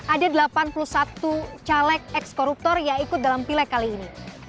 ada delapan puluh satu caleg ekskoruptor yang ikut dalam pileg kali ini